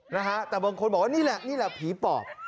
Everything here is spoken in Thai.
นะฮะแต่บางคนบอกว่านี่แหละนี่แหละผีปอบ